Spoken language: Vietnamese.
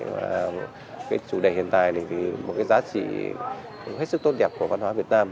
và cái chủ đề hiện tại thì một cái giá trị hết sức tốt đẹp của văn hóa việt nam